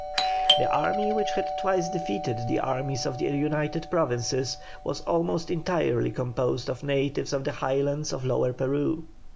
The army which had twice defeated the armies of the United Provinces was almost entirely composed of natives of the Highlands of Lower Peru.